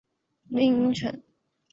飞鸟寺有很多个名称。